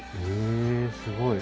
へえすごい。